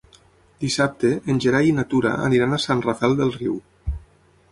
Dissabte en Gerai i na Tura aniran a Sant Rafel del Riu.